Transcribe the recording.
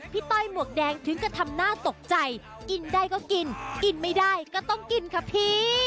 ต้อยหมวกแดงถึงกระทำน่าตกใจกินได้ก็กินกินไม่ได้ก็ต้องกินค่ะพี่